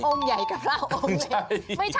พระองค์ใหญ่กับพระองค์ใหญ่ใช่